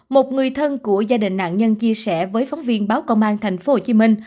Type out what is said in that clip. một người thân của gia đình nạn nhân chia sẻ với phóng viên báo công an tp hcm